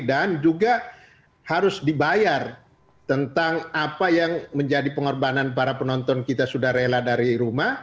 dan juga harus dibayar tentang apa yang menjadi pengorbanan para penonton kita sudah rela dari rumah